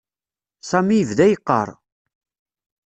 Sami yebda yeqqar.